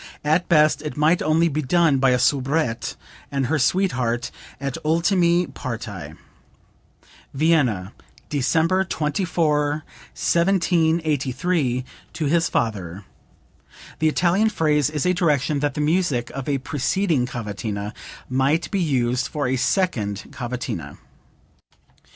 At best it might only be done by a soubrette and her sweetheart at ultime parti." (Vienna, December 24, 1783, to his father. The Italian phrase is a direction that the music of a preceding cavatina might be used for a second cavatina.)